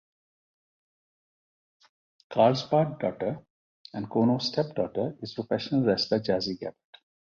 Carlsbad's daughter - and Chono's step-daughter - is professional wrestler Jazzy Gabert.